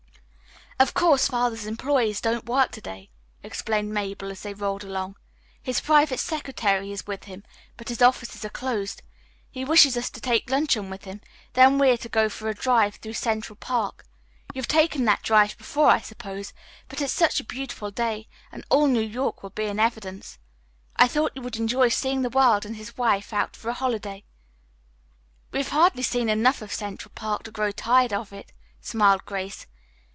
"Of course, Father's employees don't work to day," explained Mabel as they rolled along. "His private secretary is with him, but his offices are closed. He wishes us to take luncheon with him, then we are to go for a drive through Central Park. You've taken that drive before, I suppose, but it is such a beautiful day and all New York will be in evidence. I thought you would enjoy seeing the world and his wife out for a holiday." "We have hardly seen enough of Central Park to grow tired of it," smiled Grace.